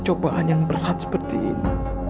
cobaan yang berat seperti ini